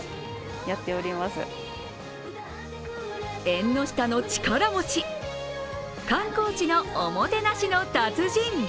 縁の下の力持ち観光地のおもてなしの達人。